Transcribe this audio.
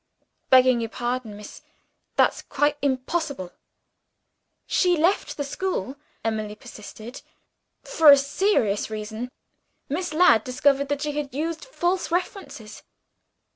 "Begging your pardon, miss, that's quite impossible!" "She left the school," Emily persisted, "for a serious reason. Miss Ladd discovered that she had used false references."